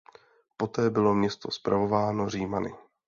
Poté bylo město spravováno Římany.